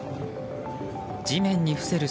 地面に伏せる